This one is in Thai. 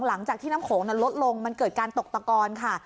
หลังจากที่น้ำโขงนั้นลดลงมันเกิดการตกตะกอนค่ะ